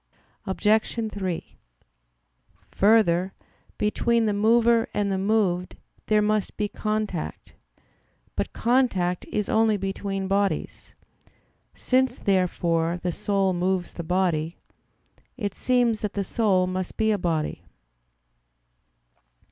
Obj. 3: Further, between the mover and the moved there must be contact. But contact is only between bodies. Since, therefore, the soul moves the body, it seems that the soul must be a body.